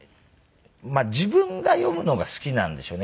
まあ自分が読むのが好きなんでしょうね